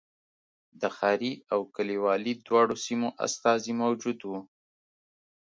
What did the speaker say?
د ښاري او کلیوالي دواړو سیمو استازي موجود و.